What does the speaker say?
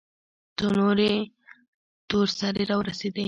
څو نورې تور سرې راورسېدې.